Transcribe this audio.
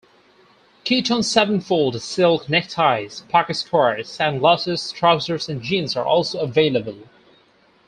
Kiton sevenfold silk neckties, pocket squares, sunglasses, trousers and jeans are also available.